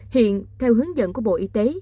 hiện theo hướng dẫn của bộ y tế